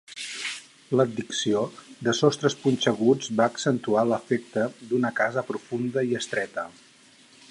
L'addició de sostres punxeguts va accentuar l'efecte d'una casa profunda i estreta.